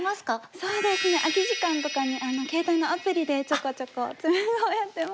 そうですね空き時間とかに携帯のアプリでちょこちょこ詰碁をやってます。